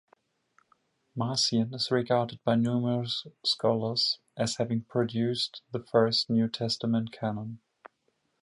Marcion is regarded by numerous scholars as having produced the first New Testament canon.